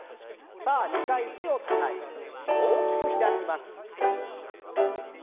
さあ２回手をたたいて大きく開きます。